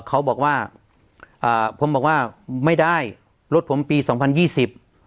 เขาบอกว่าอ่าผมบอกว่าไม่ได้รถผมปีสองพันยี่สิบ